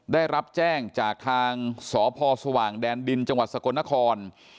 ได้รับแจ้งจากทางสพสว่างแดนดินจังหวัดสกลนคร